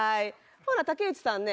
ほな竹内さんね